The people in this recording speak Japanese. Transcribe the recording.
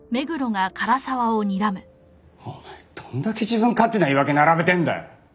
お前どんだけ自分勝手な言い訳並べてんだよ。